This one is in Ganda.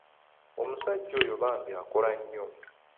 Omusajja oyo bambi akola nnyo.